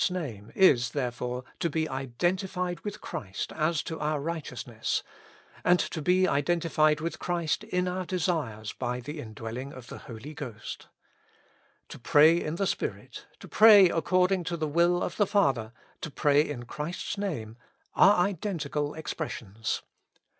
To pray in Christ's name is therefore to be identified with Christ as to our righteousness, and to be idc7itified with Christ in our desires by the indwellijig of the Holy Ghost. To pray in the Spirit, to pray according to the will of the Father, to pray in Chris fs namCy are identical ex pressions.